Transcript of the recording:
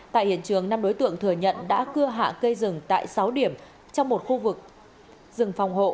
tại hiện trường năm đối tượng thừa nhận đã cưa hạ cây rừng tại sáu điểm trong một khu vực rừng phòng hộ